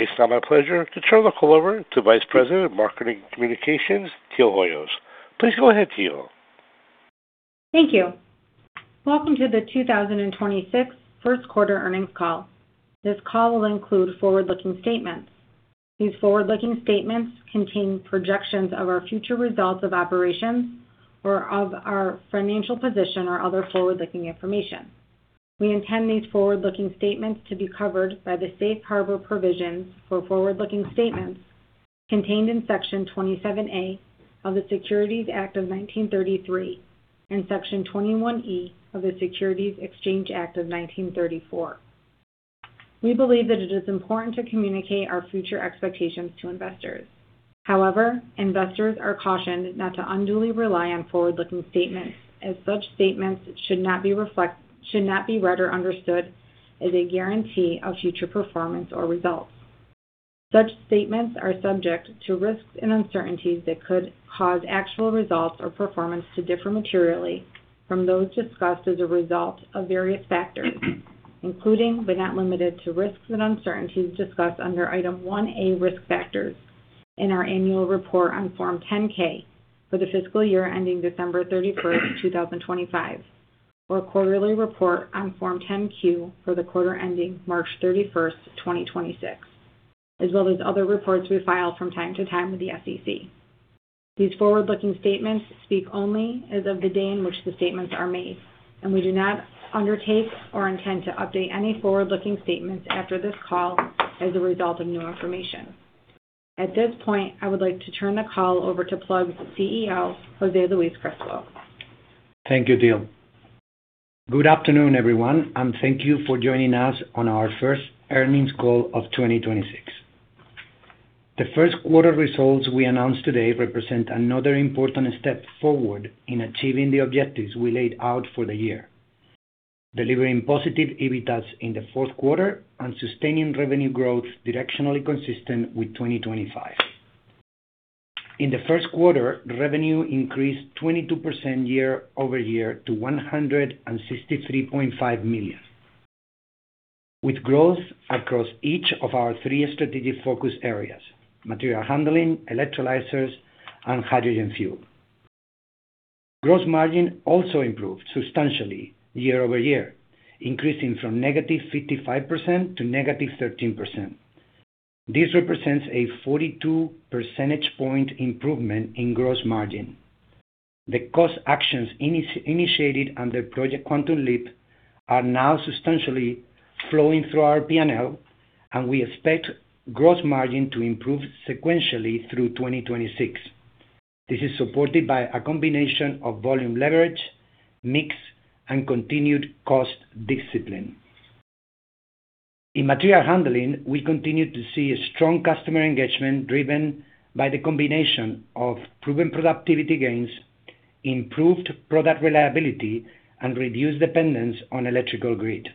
It's now my pleasure to turn the call over to Vice President of Marketing Communications, Teal Hoyos. Please go ahead, Teal. Thank you. Welcome to the 2026 first quarter earnings call. This call will include forward-looking statements. These forward-looking statements contain projections of our future results of operations or of our financial position or other forward-looking information. We intend these forward-looking statements to be covered by the safe harbor provisions for forward-looking statements contained in Section 27A of the Securities Act of 1933 and Section 21E of the Securities Exchange Act of 1934. We believe that it is important to communicate our future expectations to investors. However, investors are cautioned not to unduly rely on forward-looking statements, as such statements should not be read or understood as a guarantee of future performance or results. Such statements are subject to risks and uncertainties that could cause actual results or performance to differ materially from those discussed as a result of various factors, including but not limited to risks and uncertainties discussed under Item 1A, Risk Factors in our annual report on Form 10-K for the fiscal year ending December 31, 2025, our quarterly report on Form 10-Q for the quarter ending March 31, 2026, as well as other reports we file from time to time with the SEC. These forward-looking statements speak only as of the day in which the statements are made, and we do not undertake or intend to update any forward-looking statements after this call as a result of new information. At this point, I would like to turn the call over to Plug's CEO, Jose Luis Crespo. Thank you, Teal. Good afternoon, everyone, and thank you for joining us on our first earnings call of 2026. The first quarter results we announced today represent another important step forward in achieving the objectives we laid out for the year, delivering positive EBITDAs in the fourth quarter and sustaining revenue growth directionally consistent with 2025. In the first quarter, revenue increased 22% year-over-year to $163.5 million, with growth across each of our three strategic focus areas: material handling, electrolyzers, and hydrogen fuel. Gross margin also improved substantially year-over-year, increasing from -55% to -13%. This represents a 42 percentage point improvement in gross margin. The cost actions initiated under Project Quantum Leap are now substantially flowing through our P&L, and we expect gross margin to improve sequentially through 2026. This is supported by a combination of volume leverage, mix, and continued cost discipline. In material handling, we continue to see a strong customer engagement driven by the combination of proven productivity gains, improved product reliability, and reduced dependence on electrical grid.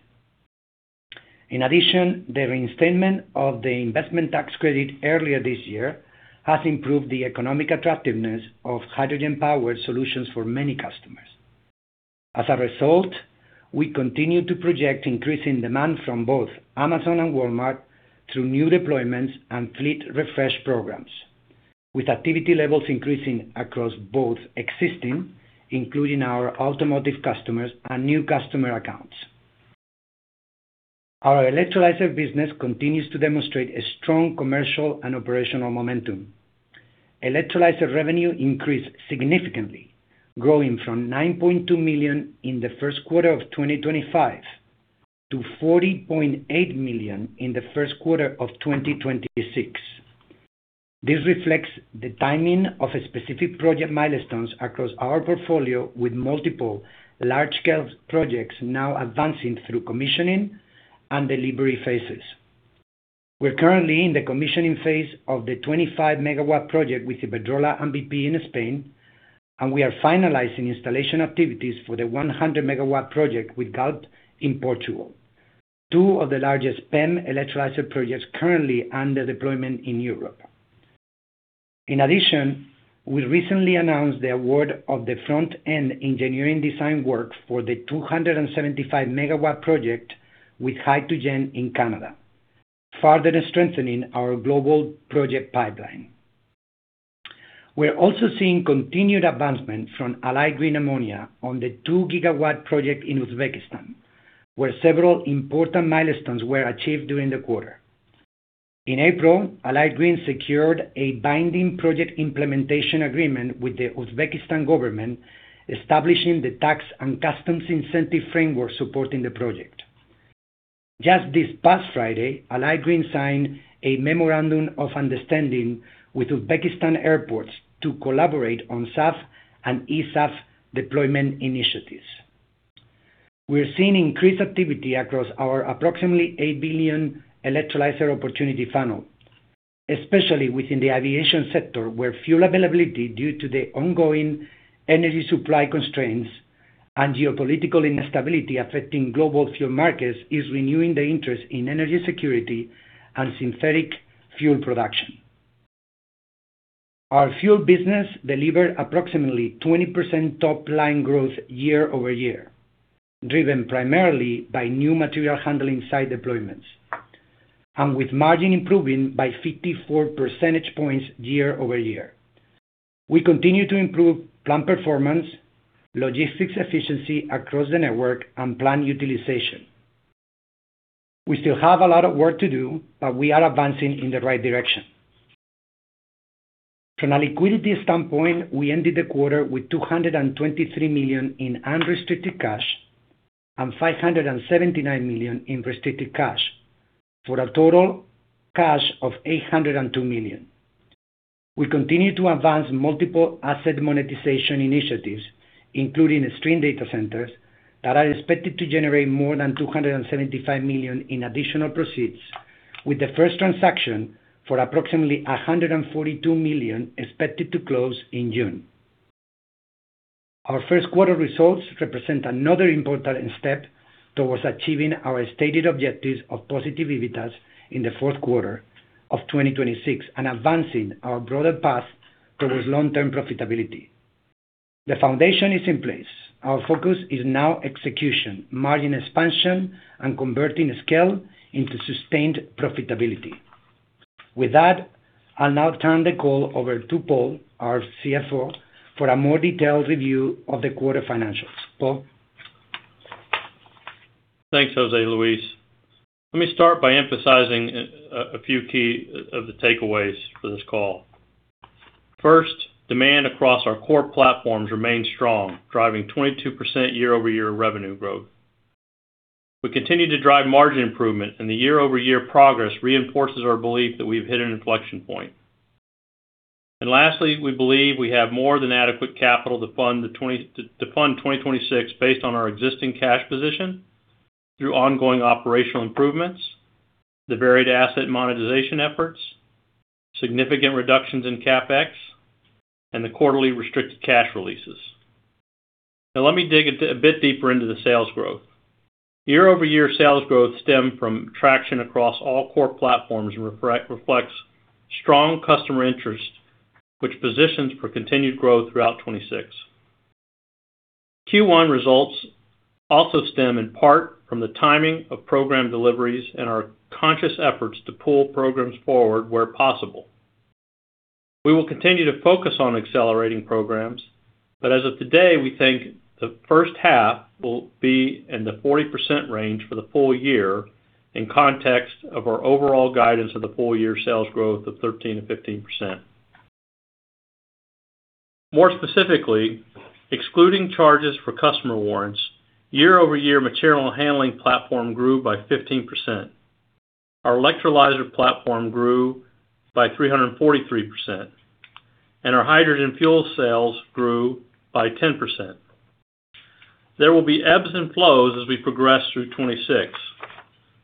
In addition, the reinstatement of the Investment Tax Credit earlier this year has improved the economic attractiveness of hydrogen-powered solutions for many customers. As a result, we continue to project increasing demand from both Amazon and Walmart through new deployments and fleet refresh programs, with activity levels increasing across both existing, including our automotive customers and new customer accounts. Our electrolyzer business continues to demonstrate a strong commercial and operational momentum. Electrolyzer revenue increased significantly, growing from $9.2 million in the first quarter of 2025 to $40.8 million in the first quarter of 2026. This reflects the timing of a specific project milestones across our portfolio with multiple large-scale projects now advancing through commissioning and delivery phases. We're currently in the commissioning phase of the 25 MW project with Iberdrola and BP in Spain, and we are finalizing installation activities for the 100 MW project with Galp in Portugal, two of the largest PEM electrolyzer projects currently under deployment in Europe. In addition, we recently announced the award of the front-end engineering design work for the 275 MW project with Hy2gen in Canada, further strengthening our global project pipeline. We're also seeing continued advancement from Allied Green Ammonia on the 2 GW project in Uzbekistan, where several important milestones were achieved during the quarter. In April, Allied Green secured a binding project implementation agreement with the Uzbekistan government, establishing the tax and customs incentive framework supporting the project. Just this past Friday, Allied Green signed a memorandum of understanding with Uzbekistan airports to collaborate on SAF and eSAF deployment initiatives. We're seeing increased activity across our approximately $8 billion electrolyzer opportunity funnel, especially within the aviation sector, where fuel availability due to the ongoing energy supply constraints and geopolitical instability affecting global fuel markets is renewing the interest in energy security and synthetic fuel production. Our fuel business delivered approximately 20% top-line growth year-over-year, driven primarily by new material handling site deployments and with margin improving by 54 percentage points year-over-year. We continue to improve plant performance, logistics efficiency across the network, and plant utilization. We still have a lot of work to do, but we are advancing in the right direction. From a liquidity standpoint, we ended the quarter with $223 million in unrestricted cash and $579 million in restricted cash, for a total cash of $802 million. We continue to advance multiple asset monetization initiatives, including the Stream Data Centers that are expected to generate more than $275 million in additional proceeds with the first transaction for approximately $142 million expected to close in June. Our first quarter results represent another important step towards achieving our stated objectives of positive EBITDA in the fourth quarter of 2026 and advancing our broader path towards long-term profitability. The foundation is in place. Our focus is now execution, margin expansion, and converting scale into sustained profitability. With that, I'll now turn the call over to Paul, our CFO, for a more detailed review of the quarter financials. Paul? Thanks, Jose Luis. Let me start by emphasizing a few key of the takeaways for this call. First, demand across our core platforms remains strong, driving 22% year-over-year revenue growth. We continue to drive margin improvement, and the year-over-year progress reinforces our belief that we've hit an inflection point. Lastly, we believe we have more than adequate capital to fund 2026 based on our existing cash position through ongoing operational improvements, the varied asset monetization efforts, significant reductions in CapEx, and the quarterly restricted cash releases. Now, let me dig a bit deeper into the sales growth. Year-over-year sales growth stemmed from traction across all core platforms and reflects strong customer interest, which positions for continued growth throughout 2026. Q1 results also stem in part from the timing of program deliveries and our conscious efforts to pull programs forward where possible. We will continue to focus on accelerating programs, but as of today, we think the first half will be in the 40% range for the full year in context of our overall guidance of the full year sales growth of 13%-15%. More specifically, excluding charges for customer warrants, year-over-year material handling platform grew by 15%. Our electrolyzer platform grew by 343%, and our hydrogen fuel sales grew by 10%. There will be ebbs and flows as we progress through 2026,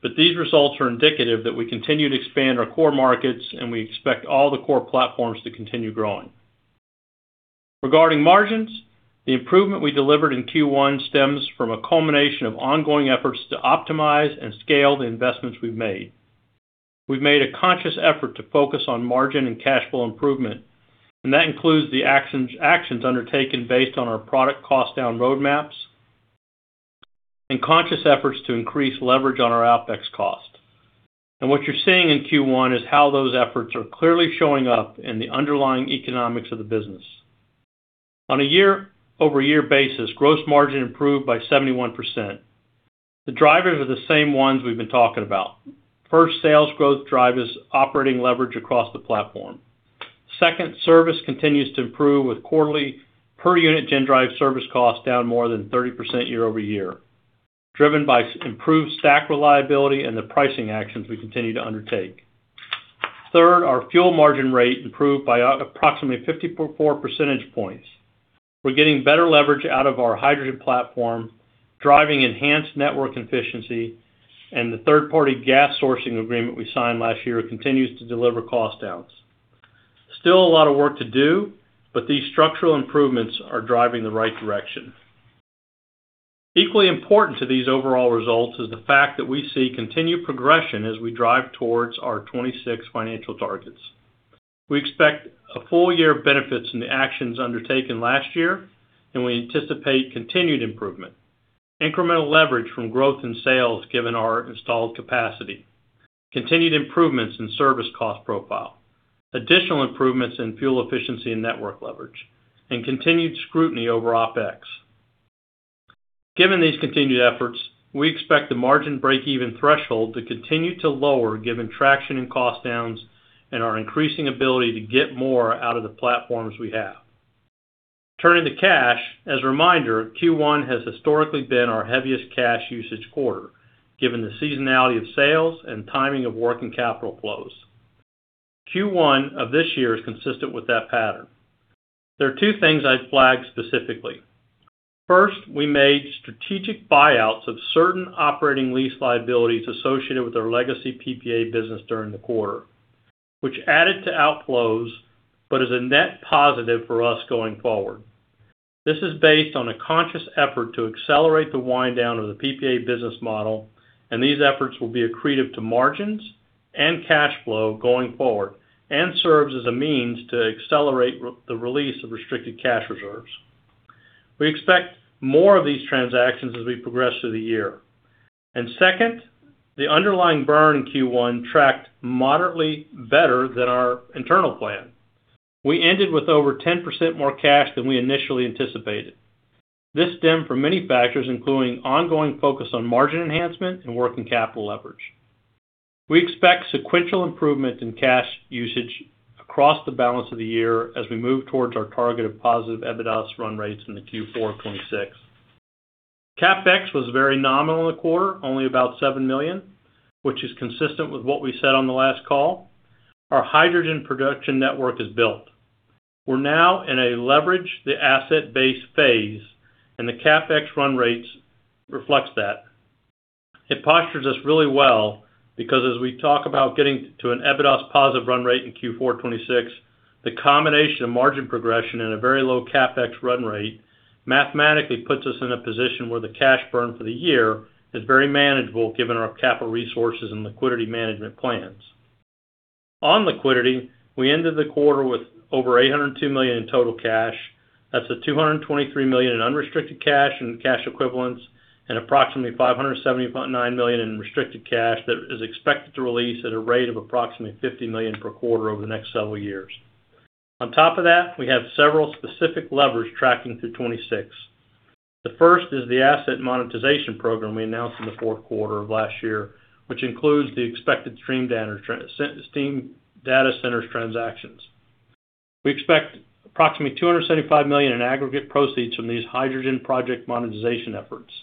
but these results are indicative that we continue to expand our core markets, and we expect all the core platforms to continue growing. Regarding margins, the improvement we delivered in Q1 stems from a culmination of ongoing efforts to optimize and scale the investments we've made. We've made a conscious effort to focus on margin and cash flow improvement, that includes the actions undertaken based on our product cost down roadmaps and conscious efforts to increase leverage on our OpEx cost. What you're seeing in Q1 is how those efforts are clearly showing up in the underlying economics of the business. On a year-over-year basis, gross margin improved by 71%. The drivers are the same ones we've been talking about. First, sales growth drivers operating leverage across the platform. Second, service continues to improve with quarterly per-unit GenDrive service costs down more than 30% year-over-year, driven by improved stack reliability and the pricing actions we continue to undertake. Third, our fuel margin rate improved by approximately 50.4 percentage points. We're getting better leverage out of our hydrogen platform, driving enhanced network efficiency, and the third-party gas sourcing agreement we signed last year continues to deliver cost downs. Still a lot of work to do, but these structural improvements are driving the right direction. Equally important to these overall results is the fact that we see continued progression as we drive towards our 2026 financial targets. We expect a full year of benefits in the actions undertaken last year, and we anticipate continued improvement. Incremental leverage from growth in sales given our installed capacity, continued improvements in service cost profile, additional improvements in fuel efficiency and network leverage, and continued scrutiny over OpEx. Given these continued efforts, we expect the margin breakeven threshold to continue to lower given traction in cost downs and our increasing ability to get more out of the platforms we have. Turning to cash, as a reminder, Q1 has historically been our heaviest cash usage quarter, given the seasonality of sales and timing of working capital flows. Q1 of this year is consistent with that pattern. There are two things I'd flag specifically. First, we made strategic buyouts of certain operating lease liabilities associated with our legacy PPA business during the quarter, which added to outflows, but is a net positive for us going forward. This is based on a conscious effort to accelerate the wind down of the PPA business model, and these efforts will be accretive to margins and cash flow going forward, serves as a means to accelerate the release of restricted cash reserves. We expect more of these transactions as we progress through the year. Second, the underlying burn in Q1 tracked moderately better than our internal plan. We ended with over 10% more cash than we initially anticipated. This stemmed from many factors, including ongoing focus on margin enhancement and working capital leverage. We expect sequential improvement in cash usage across the balance of the year as we move towards our target of positive EBITDA run rates in the Q4 of 2026. CapEx was very nominal in the quarter, only about $7 million, which is consistent with what we said on the last call. Our hydrogen production network is built. We're now in a leverage the asset base phase, the CapEx run rates reflects that. It postures us really well because as we talk about getting to an EBITDA positive run rate in Q4 2026, the combination of margin progression and a very low CapEx run rate mathematically puts us in a position where the cash burn for the year is very manageable given our capital resources and liquidity management plans. On liquidity, we ended the quarter with over $802 million in total cash. That's a $223 million in unrestricted cash and cash equivalents, and approximately $570.9 million in restricted cash that is expected to release at a rate of approximately $50 million per quarter over the next several years. On top of that, we have several specific levers tracking through 2026. The first is the asset monetization program we announced in the fourth quarter of last year, which includes the expected Stream Data Centers transactions. We expect approximately $275 million in aggregate proceeds from these hydrogen project monetization efforts.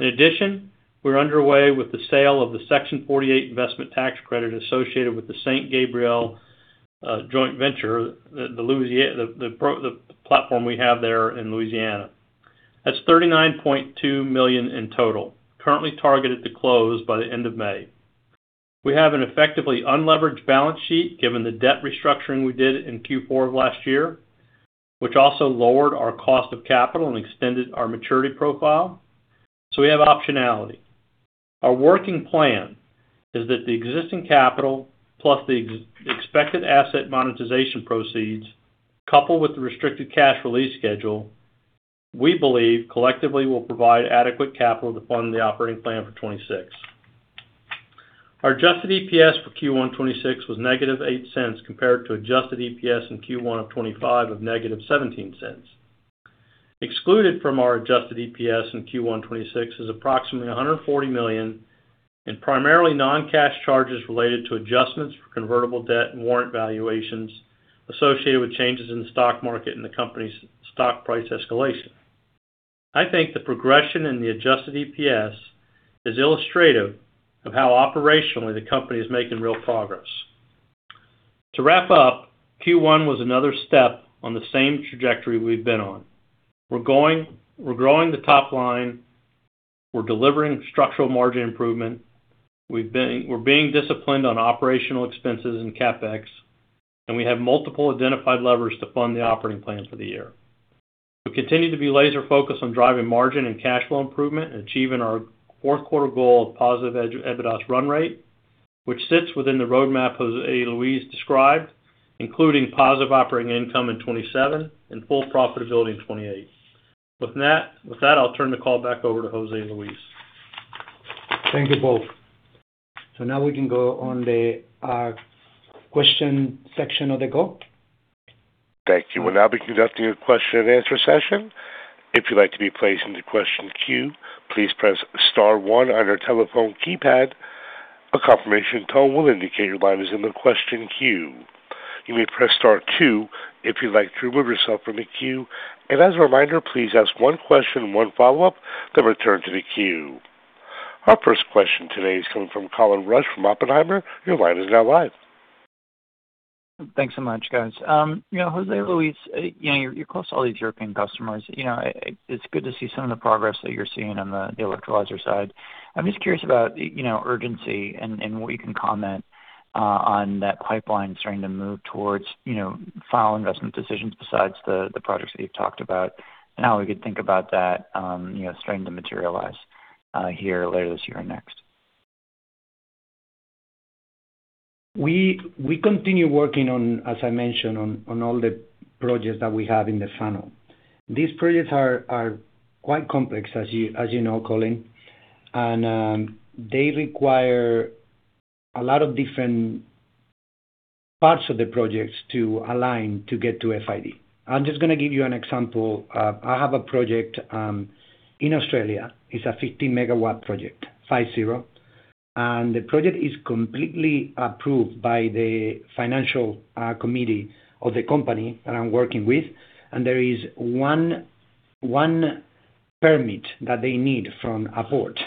In addition, we're underway with the sale of the Section 48 investment tax credit associated with the St. Gabriel joint venture, the platform we have there in Louisiana. That's $39.2 million in total, currently targeted to close by the end of May. We have an effectively unleveraged balance sheet given the debt restructuring we did in Q4 of last year, which also lowered our cost of capital and extended our maturity profile. We have optionality. Our working plan is that the existing capital plus the expected asset monetization proceeds, coupled with the restricted cash release schedule, we believe collectively will provide adequate capital to fund the operating plan for 2026. Our adjusted EPS for Q1 2026 was -$0.08 compared to adjusted EPS in Q1 of 2025 of -$0.17. Excluded from our adjusted EPS in Q1 2026 is approximately $140 million in primarily non-cash charges related to adjustments for convertible debt and warrant valuations associated with changes in the stock market and the company's stock price escalation. I think the progression in the adjusted EPS is illustrative of how operationally the company is making real progress. To wrap up, Q1 was another step on the same trajectory we've been on. We're growing the top line, we're delivering structural margin improvement, we're being disciplined on operational expenses and CapEx, we have multiple identified levers to fund the operating plans for the year. We continue to be laser-focused on driving margin and cash flow improvement and achieving our fourth quarter goal of positive EBITDA run rate, which sits within the roadmap Jose Luis described, including positive operating income in 2027 and full profitability in 2028. With that, I'll turn the call back over to Jose Luis. Thank you both. Now we can go on the question section of the call. Thank you. We'll now be conducting a question-and-answer session. If you'd like to be placed into question queue, please press star one on your telephone keypad. A confirmation tone will indicate your line is in the question queue. You may press star two if you'd like to remove yourself from the queue. As a reminder, please ask one question and one follow-up, then return to the queue. Our first question today is coming from Colin Rusch from Oppenheimer. Your line is now live. Thanks so much, guys. You know, Jose Luis, you know, you're close to all these European customers. You know, it's good to see some of the progress that you're seeing on the electrolyzer side. I'm just curious about, you know, urgency and what you can comment on that pipeline starting to move towards, you know, final investment decisions besides the projects that you've talked about, and how we could think about that, you know, starting to materialize here later this year or next. We continue working on, as I mentioned, on all the projects that we have in the funnel. These projects are quite complex, as you know, Colin. They require a lot of different parts of the projects to align to get to FID. I'm just gonna give you an example. I have a project in Australia. It's a 50-MW project, 50. The project is completely approved by the financial committee of the company that I'm working with. There is one permit that they need from a port.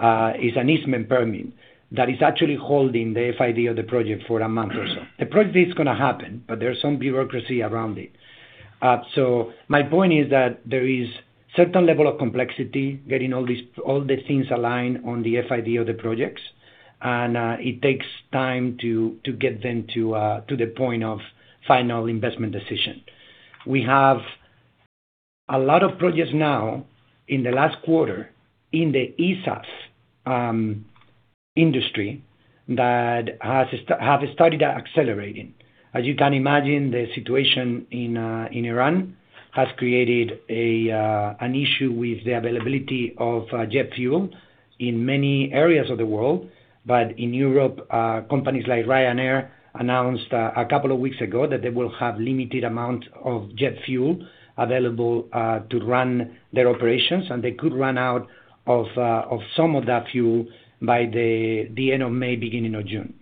It's an easement permit that is actually holding the FID of the project for a month or so. The project is gonna happen. There's some bureaucracy around it. My point is that there is certain level of complexity getting all these, all the things aligned on the FID of the projects. It takes time to get them to the point of final investment decision. We have a lot of projects now in the last quarter in the eSAF industry that have started accelerating. As you can imagine, the situation in Iran has created an issue with the availability of jet fuel in many areas of the world. In Europe, companies like Ryanair announced a couple of weeks ago that they will have limited amount of jet fuel available to run their operations, and they could run out of some of that fuel by the end of May, beginning of June.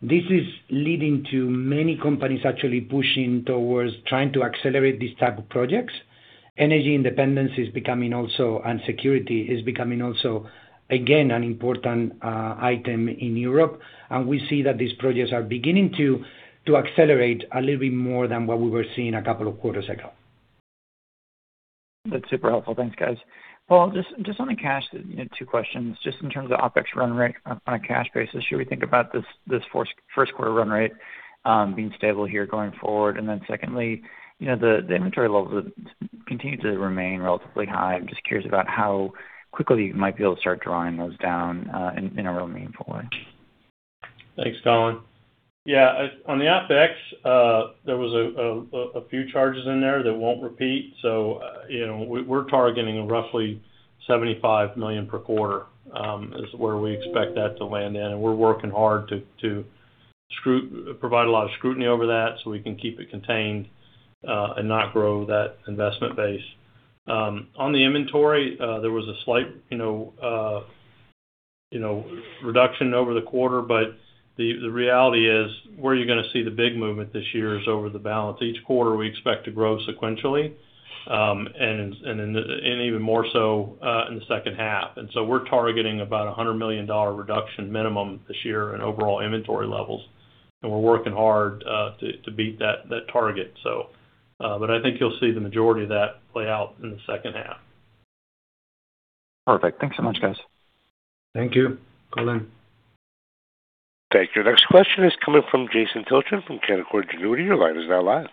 This is leading to many companies actually pushing towards trying to accelerate these type of projects. Energy independence is becoming and security is becoming also, again, an important item in Europe. We see that these projects are beginning to accelerate a little bit more than what we were seeing a couple of quarters ago. That's super helpful. Thanks, guys. Paul, just on the cash, you know, two questions. In terms of OpEx run rate on a cash basis, should we think about this first quarter run rate being stable here going forward? Secondly, you know, the inventory levels continue to remain relatively high. I'm just curious about how quickly you might be able to start drawing those down in a real meaningful way. Thanks, Colin. On the OpEx, there was a few charges in there that won't repeat. You know, we're targeting roughly $75 million per quarter is where we expect that to land in. We're working hard to provide a lot of scrutiny over that so we can keep it contained and not grow that investment base. On the inventory, there was a slight, you know, reduction over the quarter, but the reality is, where you're gonna see the big movement this year is over the balance. Each quarter, we expect to grow sequentially, and then, and even more so in the second half. We're targeting about a $100 million reduction minimum this year in overall inventory levels, and we're working hard to beat that target. I think you'll see the majority of that play out in the second half. Perfect. Thanks so much, guys. Thank you, Colin. Thank you. Next question is coming from Jason Tilchen from Canaccord Genuity. Your line is now live.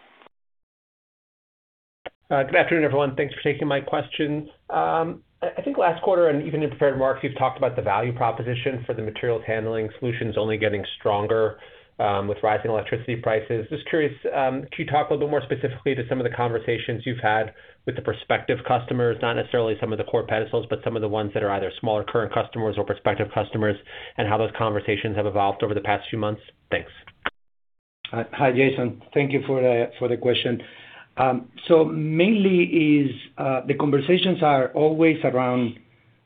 Good afternoon, everyone. Thanks for taking my question. I think last quarter, and even in prepared remarks, you've talked about the value proposition for the materials handling solutions only getting stronger with rising electricity prices. Just curious, could you talk a little bit more specifically to some of the conversations you've had with the prospective customers? Not necessarily some of the core customers, but some of the ones that are either smaller current customers or prospective customers, and how those conversations have evolved over the past few months. Thanks. Hi, Jason. Thank you for the question. Mainly is, the conversations are always around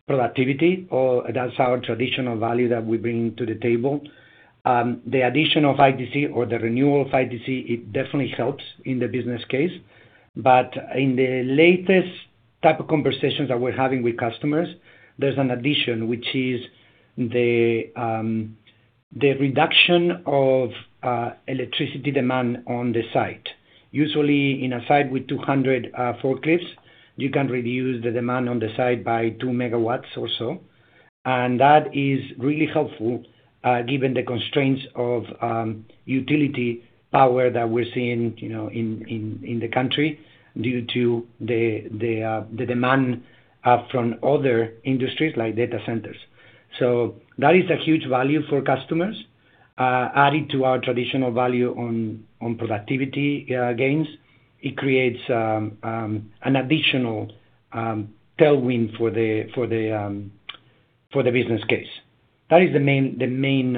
productivity or that's our traditional value that we bring to the table. The addition of ITC or the renewal of ITC it definitely helps in the business case but In the latest type of conversations that we're having with customers, there's an addition, which is the reduction of electricity demand on the site. Usually, in a site with 200 forklifts, you can reduce the demand on the site by 2 MW or so. That is really helpful, given the constraints of utility power that we're seeing, you know, in the country due to the demand from other industries like data centers. That is a huge value for customers. Added to our traditional value on productivity gains, it creates an additional tailwind for the business case. That is the main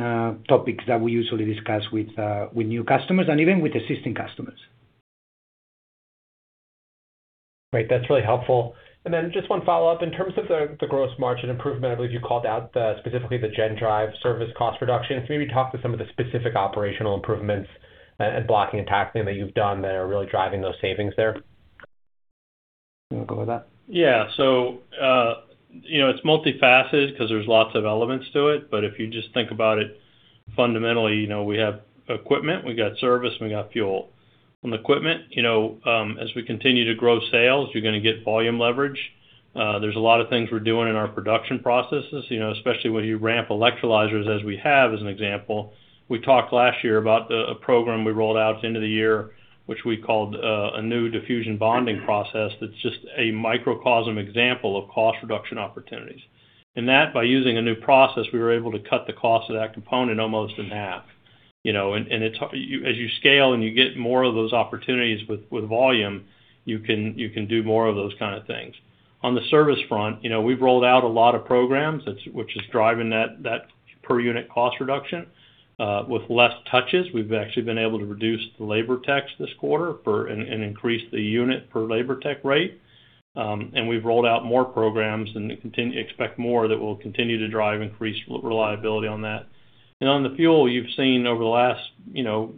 topics that we usually discuss with new customers and even with existing customers. Great. That's really helpful. Just one follow-up. In terms of the gross margin improvement, I believe you called out specifically the GenDrive service cost reductions. Maybe talk to some of the specific operational improvements and blocking and tackling that you've done that are really driving those savings there. You wanna go with that? Yeah. you know, it's multifaceted 'cause there's lots of elements to it. If you just think about it fundamentally, you know, we have equipment, we got service, and we got fuel. On equipment, you know, as we continue to grow sales, you're gonna get volume leverage. There's a lot of things we're doing in our production processes, you know, especially when you ramp electrolyzers as we have as an example. We talked last year about a program we rolled out at the end of the year, which we called a new diffusion bonding process that's just a microcosm example of cost reduction opportunities. In that, by using a new process, we were able to cut the cost of that component almost in half, you know. It's as you scale and you get more of those opportunities with volume, you can do more of those kind of things. On the service front, you know, we've rolled out a lot of programs that's which is driving that per unit cost reduction. With less touches, we've actually been able to reduce the labor techs this quarter and increase the unit per labor tech rate. We've rolled out more programs and expect more that will continue to drive increased re-reliability on that. On the fuel, you've seen over the last, you know,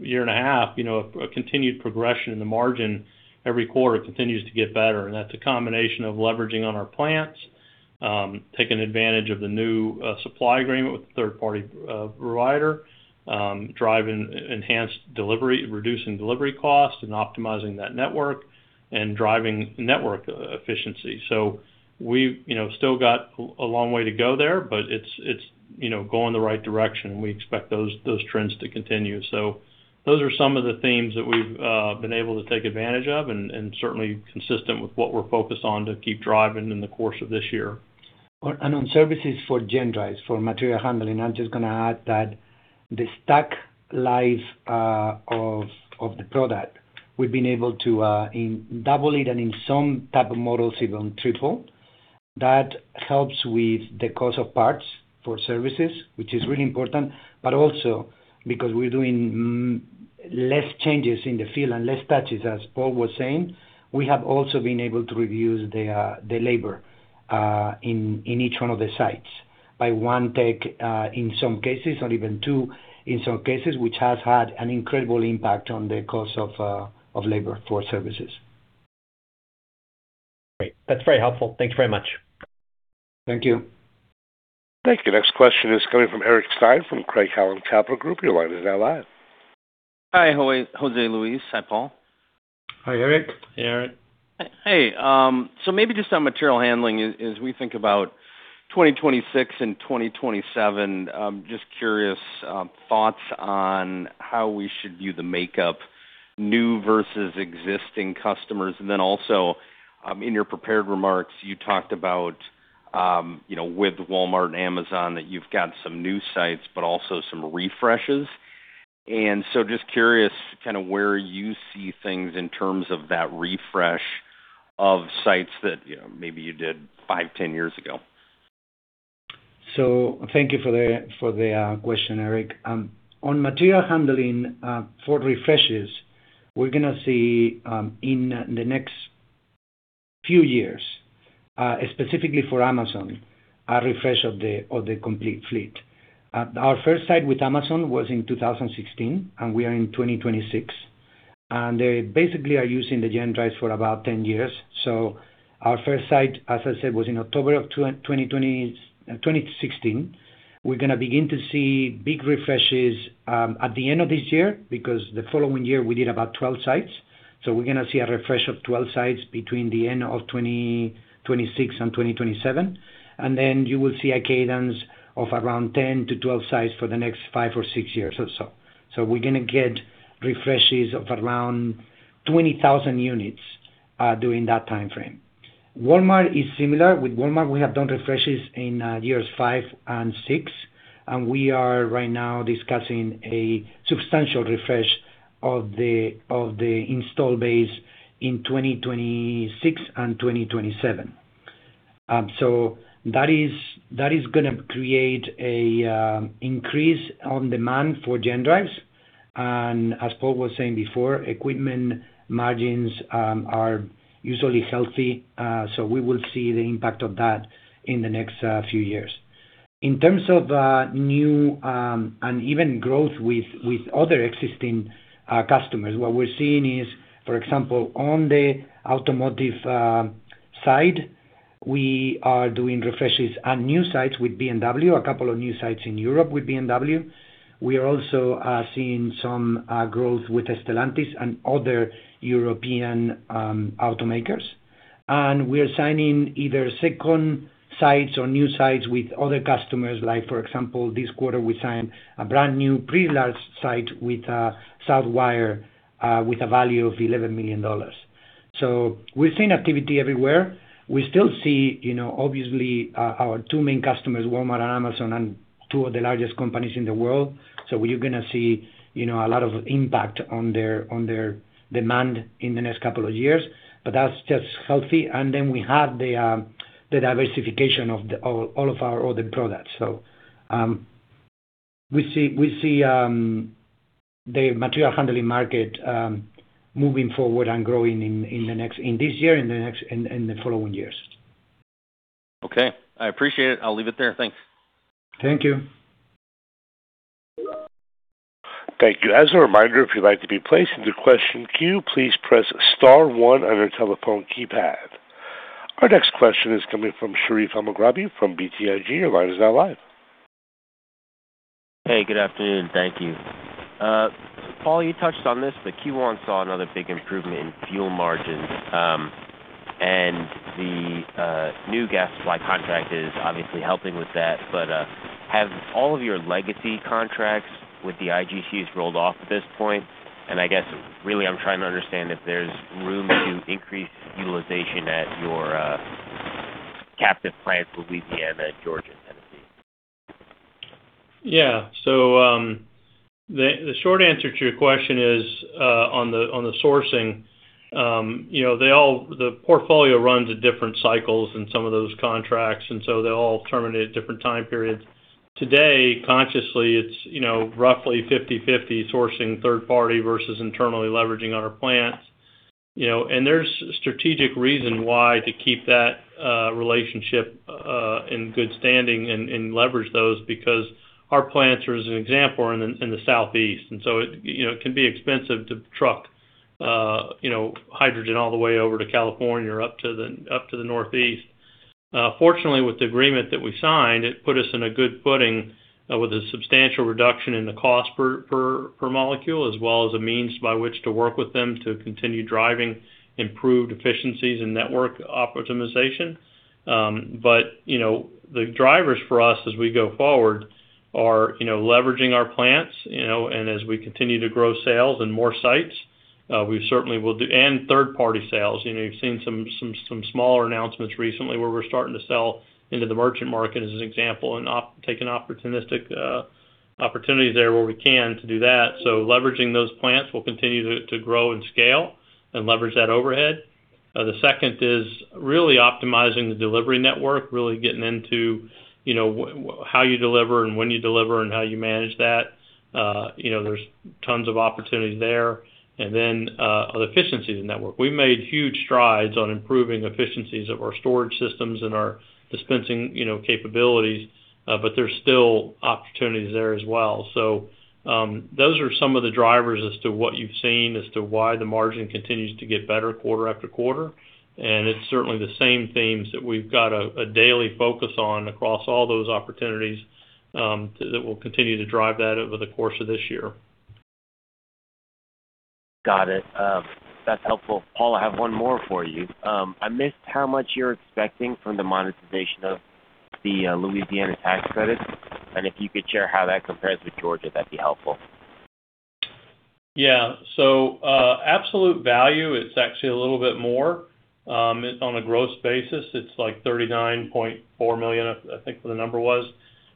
year and a half, you know, a continued progression in the margin. Every quarter, it continues to get better. That's a combination of leveraging on our plants, taking advantage of the new supply agreement with the third party provider, driving enhanced delivery, reducing delivery costs and optimizing that network and driving network e-efficiency. We've, you know, still got a long way to go there, but it's, you know, going the right direction. We expect those trends to continue. Those are some of the themes that we've been able to take advantage of and certainly consistent with what we're focused on to keep driving in the course of this year. On services for GenDrive, for material handling, I'm just gonna add that the stack life of the product, we've been able to double it and in some type of models, even triple. That helps with the cost of parts for services, which is really important, but also because we're doing less changes in the field and less touches, as Paul was saying. We have also been able to reduce the labor in each one of the sites by one tech in some cases, or even two in some cases, which has had an incredible impact on the cost of labor for services. Great. That's very helpful. Thank you very much. Thank you. Thank you. Next question is coming from Eric Stine from Craig-Hallum Capital Group. Your line is now live. Hi, Jose Luis. Hi, Paul. Hi, Eric. Hey, Eric. Hey. So maybe just on material handling, as we think about 2026 and 2027, just curious, thoughts on how we should view the makeup, new versus existing customers. Also, in your prepared remarks, you talked about, you know, with Walmart and Amazon that you've got some new sites but also some refreshes. Just curious kinda where you see things in terms of that refresh of sites that, you know, maybe you did five, 10 years ago. Thank you for the question, Eric. On material handling, for refreshes, we're gonna see in the next few years, specifically for Amazon, a refresh of the complete fleet. Our first site with Amazon was in 2016, and we are in 2026. They basically are using the GenDrives for about 10 years. Our first site, as I said, was in October of 2016. We're gonna begin to see big refreshes at the end of this year because the following year we did about 12 sites. We're gonna see a refresh of 12 sites between the end of 2026 and 2027. Then you will see a cadence of around 10 to 12 sites for the next five or six years or so. We're gonna get refreshes of around 20,000 units during that timeframe. Walmart is similar. With Walmart, we have done refreshes in years five and six, and we are right now discussing a substantial refresh of the install base in 2026 and 2027. That is gonna create a increase on demand for GenDrives. As Paul was saying before, equipment margins are usually healthy, so we will see the impact of that in the next few years. In terms of new, and even growth with other existing customers, what we're seeing is, for example, on the automotive side, we are doing refreshes on new sites with BMW, a couple of new sites in Europe with BMW. We are also seeing some growth with Stellantis and other European automakers. We are signing either second sites or new sites with other customers. Like, for example, this quarter, we signed a brand-new pretty large site with Southwire, with a value of $11 million. We're seeing activity everywhere. We still see, you know, obviously, our two main customers, Walmart and Amazon, and two of the largest companies in the world. We are gonna see, you know, a lot of impact on their demand in the next couple of years, but that's just healthy. We have the diversification of all of our other products. We see the material handling market moving forward and growing in this year and in the following years. Okay. I appreciate it. I'll leave it there. Thanks. Thank you. Thank you. As a reminder if you'd like to be placed in the question queue please press star one on the telephone keypad. Our next question is coming from Sherif Elmaghrabi from BTIG. Your line is now live. Hey, good afternoon. Thank you. Paul, you touched on this, Q1 saw another big improvement in fuel margins. The new gas supply contract is obviously helping with that. Have all of your legacy contracts with the IGCs rolled off at this point? I guess really I'm trying to understand if there's room to increase utilization at your captive plants, Louisiana, Georgia, and Tennessee. The short answer to your question is on the sourcing, you know, the portfolio runs at different cycles in some of those contracts, and they all terminate at different time periods. Today, consciously, it's, you know, roughly 50/50 sourcing third party versus internally leveraging our plants. You know, and there's strategic reason why to keep that relationship in good standing and leverage those because our plants are as an example are in the Southeast. It, you know, it can be expensive to truck, you know, hydrogen all the way over to California or up to the Northeast. Fortunately, with the agreement that we signed, it put us in a good footing, with a substantial reduction in the cost per molecule, as well as a means by which to work with them to continue driving improved efficiencies and network optimization. You know, the drivers for us as we go forward are, you know, leveraging our plants, you know, and as we continue to grow sales in more sites, and third-party sales. You know, you've seen some smaller announcements recently where we're starting to sell into the merchant market, as an example, and take an opportunistic opportunity there where we can to do that. Leveraging those plants will continue to grow and scale and leverage that overhead. The second is really optimizing the delivery network, really getting into, you know, how you deliver and when you deliver and how you manage that. You know, there's tons of opportunities there. Then, the efficiencies of network. We've made huge strides on improving efficiencies of our storage systems and our dispensing, you know, capabilities, but there's still opportunities there as well. Those are some of the drivers as to what you've seen as to why the margin continues to get better quarter-after-quarter. It's certainly the same themes that we've got a daily focus on across all those opportunities, that will continue to drive that over the course of this year. Got it. That's helpful. Paul, I have one more for you. I missed how much you're expecting from the monetization of the Louisiana tax credit, and if you could share how that compares with Georgia, that'd be helpful. Yeah. Absolute value, it's actually a little bit more. On a gross basis, it's like $39.4 million, I think the number was.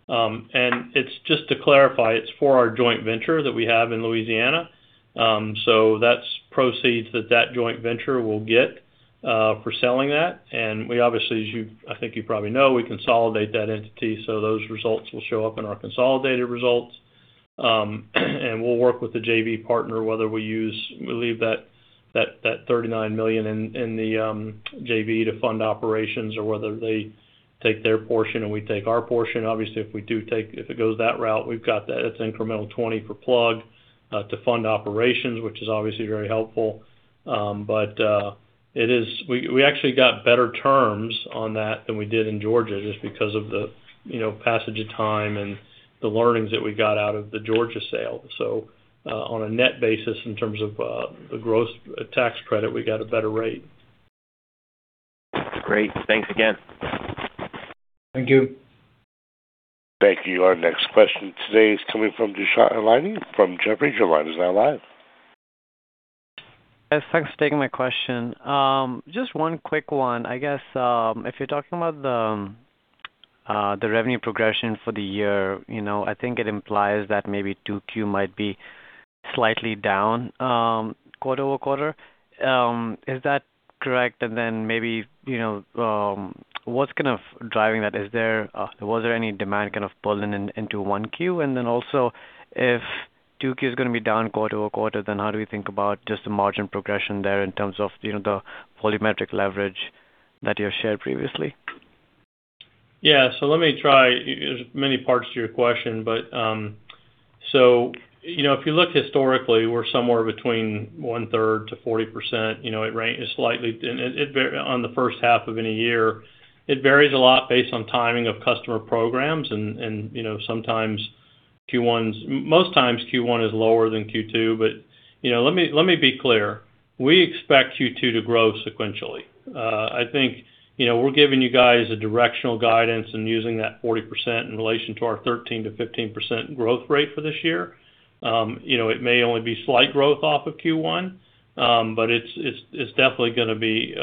It's just to clarify, it's for our joint venture that we have in Louisiana. That's proceeds that joint venture will get for selling that. We obviously, as you, I think you probably know, we consolidate that entity, those results will show up in our consolidated results. We'll work with the JV partner, whether we leave that $39 million in the JV to fund operations or whether they take their portion and we take our portion. Obviously, if it goes that route, it's incremental $20 for Plug to fund operations, which is obviously very helpful. We actually got better terms on that than we did in Georgia just because of the, you know, passage of time and the learnings that we got out of the Georgia sale. On a net basis, in terms of the gross tax credit, we got a better rate. Great. Thanks again. Thank you. Thank you. Our next question today is coming from Dushyant Ailani from Jefferies. Your line is now live. Yes, thanks for taking my question. Just one quick one. I guess, if you're talking about the revenue progression for the year, you know, I think it implies that maybe 2Q might be slightly down quarter-over-quarter. Is that correct? Then maybe, you know, what's kind of driving that? Was there any demand kind of pulling in, into 1Q? Then also, if 2Q is gonna be down quarter-over-quarter, then how do we think about just the margin progression there in terms of, you know, the volumetric leverage that you have shared previously? Yeah. Let me try. There's many parts to your question, you know, if you look historically, we're somewhere between 1/3 to 40%. You know, slightly different on the first half of any year, it varies a lot based on timing of customer programs and, you know, most times Q1 is lower than Q2. You know, let me, let me be clear. We expect Q2 to grow sequentially. I think, you know, we're giving you guys a directional guidance and using that 40% in relation to our 13%-15% growth rate for this year. You know, it may only be slight growth off of Q1, but it's definitely gonna be,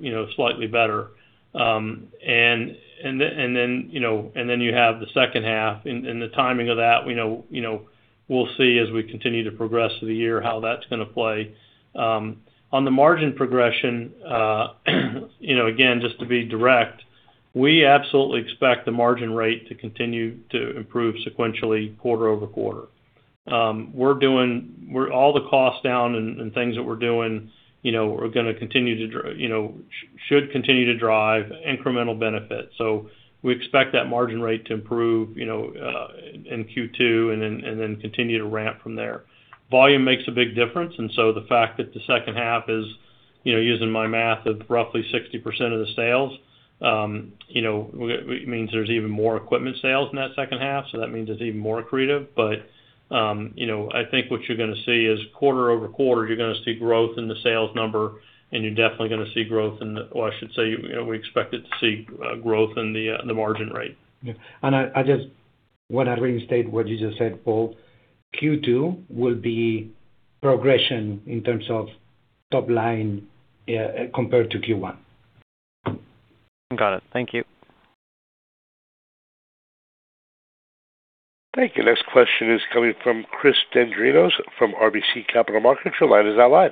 you know, slightly better. Then, and then, you know, then you have the second half. The timing of that, we know, you know, we'll see as we continue to progress through the year how that's gonna play. On the margin progression, you know, again, just to be direct, we absolutely expect the margin rate to continue to improve sequentially quarter-over-quarter. All the cost down and things that we're doing, you know, are gonna continue to drive incremental benefits. We expect that margin rate to improve, you know, in Q2 and then, and then continue to ramp from there. Volume makes a big difference, the fact that the second half is, you know, using my math, of roughly 60% of the sales, you know, it means there's even more equipment sales in that second half, that means it's even more accretive. You know, I think what you're gonna see is quarter-over-quarter, you're gonna see growth in the sales number, you're definitely gonna see or I should say, you know, we expect it to see growth in the margin rate. Yeah. I just want to reinstate what you just said, Paul. Q2 will be progression in terms of top line compared to Q1. Got it. Thank you. Thank you. Next question is coming from Chris Dendrinos from RBC Capital Markets. Your line is now live.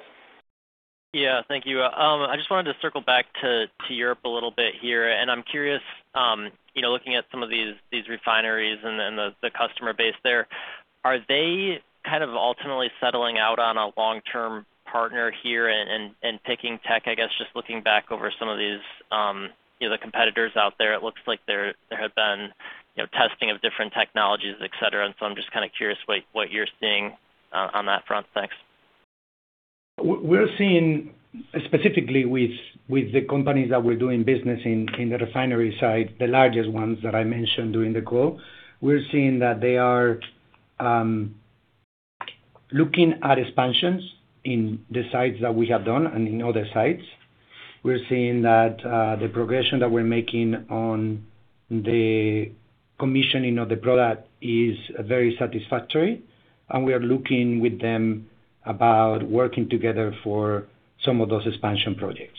Thank you. I just wanted to circle back to Europe a little bit here. I'm curious, you know, looking at some of these refineries and then the customer base there, are they kind of ultimately settling out on a long-term partner here and, and picking tech? I guess just looking back over some of these, you know, the competitors out there, it looks like there have been, you know, testing of different technologies, et cetera. I'm just kinda curious what you're seeing on that front. Thanks. We're seeing specifically with the companies that we're doing business in the refinery side, the largest ones that I mentioned during the call. We're seeing that they are looking at expansions in the sites that we have done and in other sites. We're seeing that the progression that we're making on the commissioning of the product is very satisfactory, and we are looking with them about working together for some of those expansion projects.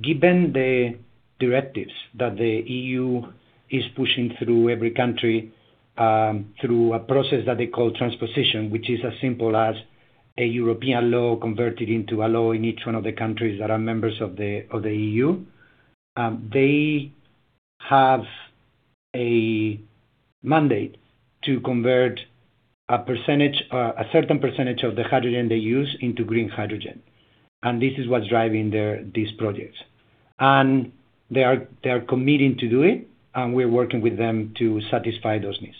Given the directives that the EU is pushing through every country, through a process that they call transposition, which is as simple as a European law converted into a law in each one of the countries that are members of the EU, they have a mandate to convert a certain percentage of the hydrogen they use into green hydrogen, and this is what's driving these projects. They are committing to do it, and we're working with them to satisfy those needs.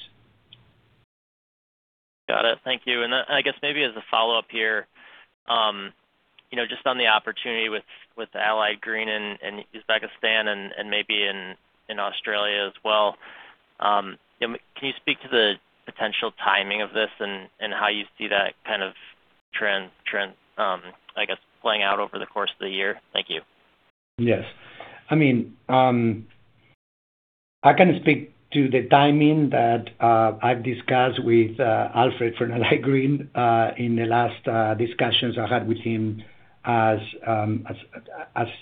Got it. Thank you. I guess maybe as a follow-up here, you know, just on the opportunity with Allied Green and Uzbekistan and maybe in Australia as well, you know, can you speak to the potential timing of this and how you see that kind of trend, I guess, playing out over the course of the year? Thank you. Yes. I mean, I can speak to the timing that I've discussed with Alfred from Allied Green in the last discussions I had with him as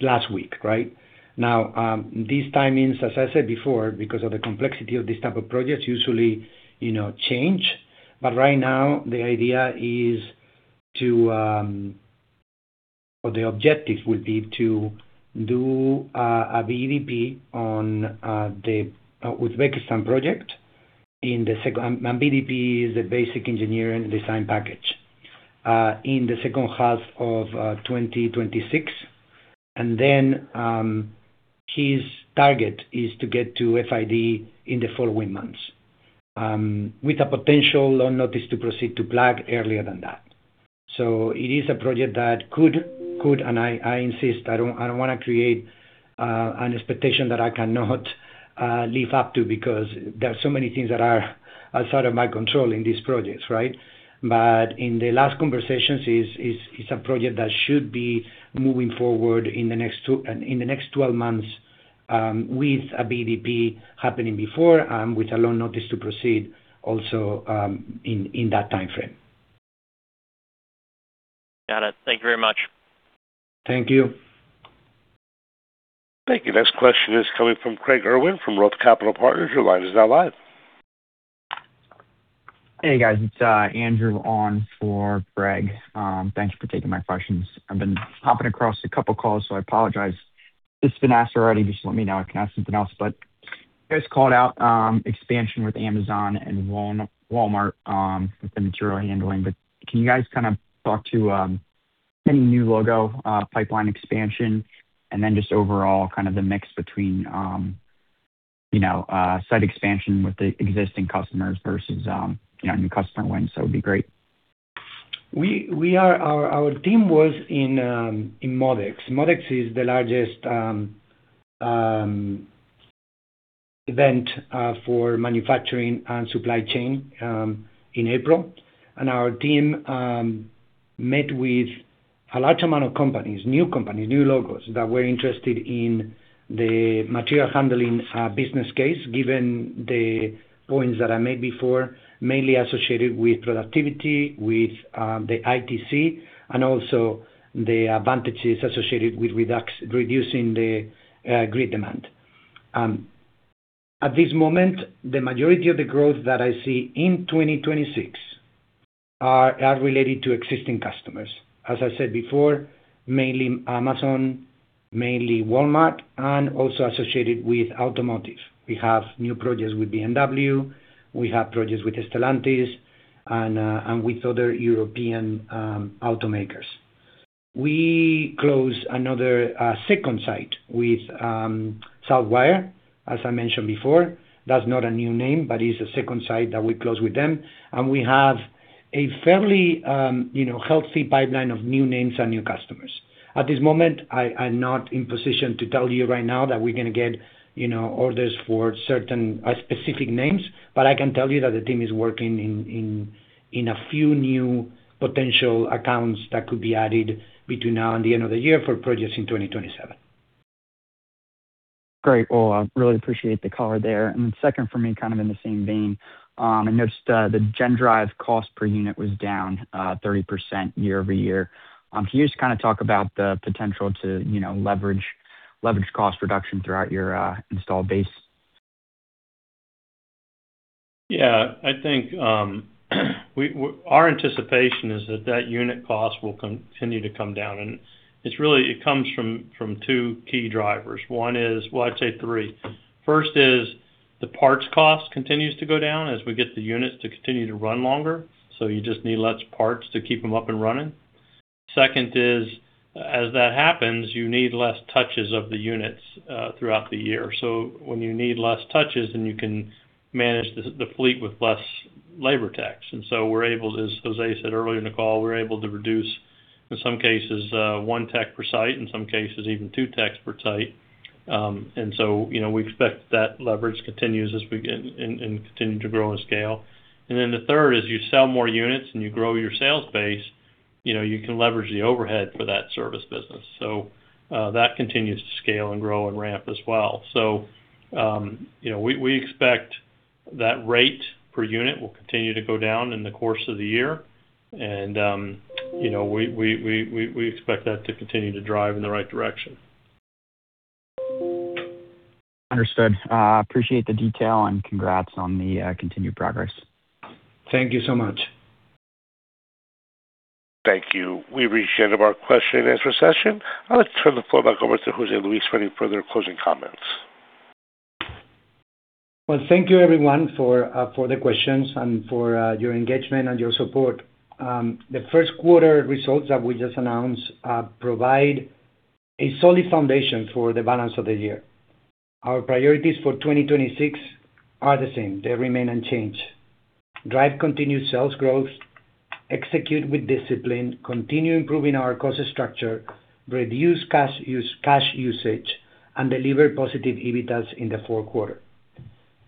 last week, right? These timings, as I said before, because of the complexity of these type of projects, usually, you know, change. Right now, the objective will be to do a BDEP on the Uzbekistan project in the second. BDEP is a Basic Design and Engineering Package. In the second half of 2026. His target is to get to FID in the following months with a potential loan notice to proceed to Plug earlier than that. It is a project that could, and I insist, I don't, I don't wanna create an expectation that I cannot live up to because there are so many things that are outside of my control in these projects, right? In the last conversations, it's, it's a project that should be moving forward in the next 12 months, with a BDEP happening before and with a loan notice to proceed also, in that timeframe. Got it. Thank you very much. Thank you. Thank you. Next question is coming from Craig Irwin from Roth Capital Partners. Your line is now live. Hey, guys. It's Andrew on for Craig. Thank you for taking my questions. I've been hopping across a couple calls, so I apologize. If this has been asked already, just let me know, I can ask something else. You guys called out expansion with Amazon and Walmart with the material handling. Can you guys kind of talk to any new logo pipeline expansion? Just overall kind of the mix between, you know, site expansion with the existing customers versus, you know, new customer wins, that would be great. Our team was in MODEX. MODEX is the largest event for manufacturing and supply chain in April. Our team met with a large amount of companies, new companies, new logos that were interested in the material handling business case, given the points that I made before, mainly associated with productivity, with the ITC, and also the advantages associated with reducing the grid demand. At this moment, the majority of the growth that I see in 2026 are related to existing customers. As I said before, mainly Amazon, mainly Walmart, and also associated with automotive. We have new projects with BMW, we have projects with Stellantis and with other European automakers. We closed another second site with Southwire, as I mentioned before. That's not a new name, but it's a second site that we closed with them. We have a fairly, you know, healthy pipeline of new names and new customers. At this moment, I'm not in position to tell you right now that we're gonna get, you know, orders for certain specific names, but I can tell you that the team is working in a few new potential accounts that could be added between now and the end of the year for projects in 2027. Great. Well, I really appreciate the color there. Second for me, kind of in the same vein, I noticed the GenDrive cost per unit was down 30% year-over-year. Can you just kind of talk about the potential to, you know, leverage cost reduction throughout your install base? Yeah. I think our anticipation is that that unit cost will continue to come down, and it really comes from two key drivers. Well, I'd say three. First is the parts cost continues to go down as we get the units to continue to run longer, so you just need less parts to keep them up and running. Second is, as that happens, you need less touches of the units throughout the year. When you need less touches, then you can manage the fleet with less labor techs. We're able to, as Jose said earlier in the call, we're able to reduce, in some cases, one tech per site, in some cases, even two techs per site. You know, we expect that leverage continues as we get and continue to grow and scale. The third is you sell more units and you grow your sales base, you know, you can leverage the overhead for that service business. That continues to scale and grow and ramp as well. You know, we expect that rate per unit will continue to go down in the course of the year. You know, we expect that to continue to drive in the right direction. Understood. Appreciate the detail, and congrats on the continued progress. Thank you so much. Thank you. We've reached the end of our question-and-answer session. I'd like to turn the floor back over to Jose Luis for any further closing comments. Well, thank you, everyone, for for the questions and for your engagement and your support. The first quarter results that we just announced provide a solid foundation for the balance of the year. Our priorities for 2026 are the same. They remain unchanged. Drive continued sales growth, execute with discipline, continue improving our cost structure, reduce cash usage, and deliver positive EBITDAs in the fourth quarter.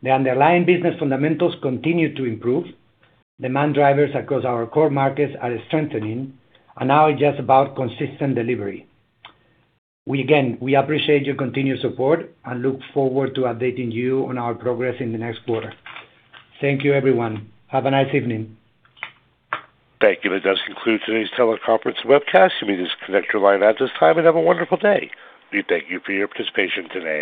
The underlying business fundamentals continue to improve. Demand drivers across our core markets are strengthening, and now it's just about consistent delivery. Again, we appreciate your continued support and look forward to updating you on our progress in the next quarter. Thank you, everyone. Have a nice evening. Thank you. That does conclude today's teleconference webcast. You may disconnect your line at this time and have a wonderful day. We thank you for your participation today.